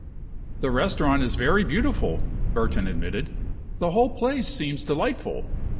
"The restaurant is very beautiful," Burton admitted. "The whole place seems delightful.